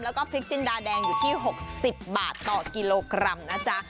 แล้วก็พริกจินดาแดงอยู่ที่๖๐บาทต่อกิโลกรัมนะจ๊ะ